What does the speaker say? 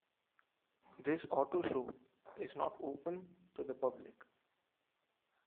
This auto show is not open to the public.